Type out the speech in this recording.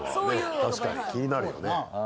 確かに気になるよね。